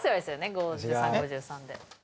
５３・５３で。